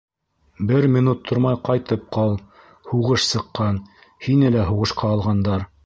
Бер минут тормай ҡайтып ҡал, һуғыш сыҡҡан, һине лә һуғышҡа алғандар.